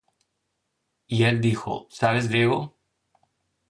Y él dijo: ¿Sabes griego?